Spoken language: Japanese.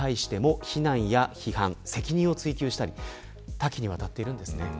多岐にわたっているんですね。